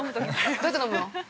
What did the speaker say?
どうやって飲むの？